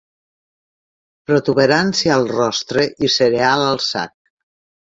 Protuberància al rostre i cereal al sac.